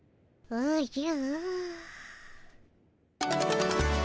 おじゃ。